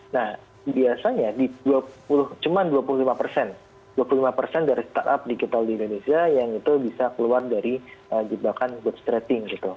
nah biasanya cuma dua puluh lima persen dua puluh lima persen dari startup digital di indonesia yang itu bisa keluar dari jebakan good strating gitu